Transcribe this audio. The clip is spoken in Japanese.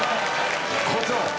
校長！